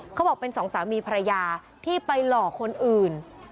เขาบอกเป็นสองสามีภรรยาที่ไปหลอกคนอื่น